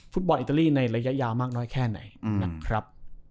บอลอิตาลีในระยะยาวมากน้อยแค่ไหนนะครับ